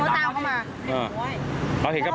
กลับแล้วเขาบอกว่าไม่ได้ขโมย